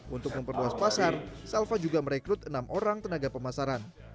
untuk memperluas pasar salva juga merekrut enam orang tenaga pemasaran